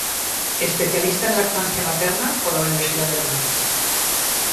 Especialista en lactancia materna por la Universidad de Londres.